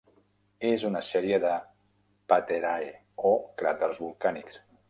És una sèrie de paterae, o cràters volcànics.